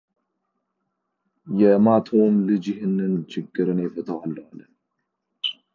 የማቶውም ልጅ ይህንን ችግር እኔ እፈታዋለሁ አለ፡፡